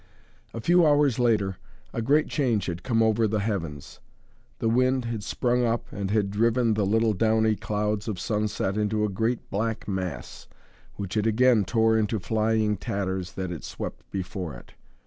A few hours later a great change had come over the heavens. The wind had sprung up and had driven the little downy clouds of sunset into a great, black mass, which it again tore into flying tatters that it swept before it.